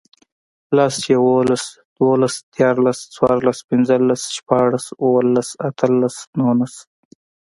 لس, یوولس, دوولس, دیرلس، څوارلس, پنځلس, شپاړس, اووهلس, اتهلس, نورلس